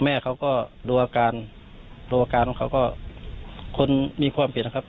แม่เขาก็ดูอาการดูอาการของเขาก็คนมีความผิดนะครับ